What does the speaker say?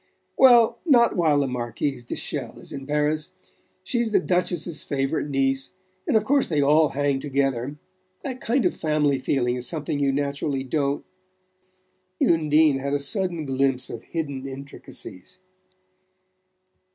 "Well not while the Marquise de Chelles is in Paris. She's the Duchess's favourite niece and of course they all hang together. That kind of family feeling is something you naturally don't " Undine had a sudden glimpse of hidden intricacies.